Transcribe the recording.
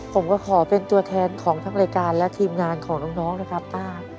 ผมก็ขอเป็นตัวแทนของทั้งรายการและทีมงานของน้องนะครับป้า